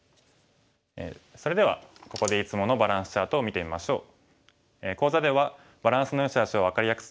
それではここでいつものバランスチャートを見てみましょう。